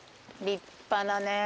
立派なね。